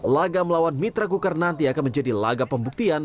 laga melawan mitra guker nanti akan menjadi laga pembuktian